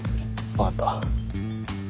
分かった。